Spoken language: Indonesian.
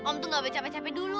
om tuh gak bercape capek capek dulu